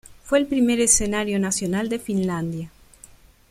Fue el primer escenario nacional de Finlandia.